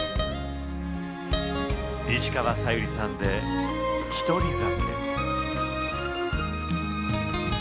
石川さゆりさんで「獨り酒」。